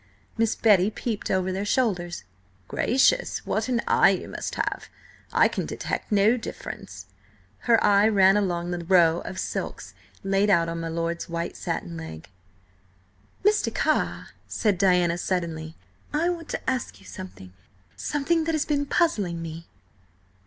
Miss Betty peeped over their shoulders. "Gracious, what an eye you must have! I can detect no difference." Her eye ran along the row of silks laid out on my lord's white satin leg. "Mr. Carr," said Diana suddenly, "I want to ask you something–something that has been puzzling me."